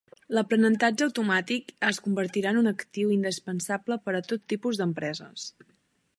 L'aprenentatge automàtic es convertirà en un actiu indispensable per a tot tipus d'empreses.